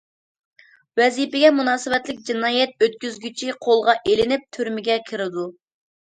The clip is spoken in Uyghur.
ۋەزىپىگە مۇناسىۋەتلىك جىنايەت ئۆتكۈزگۈچى قولغا ئېلىنىپ، تۈرمىگە كىرىدۇ.